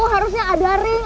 harusnya ada ring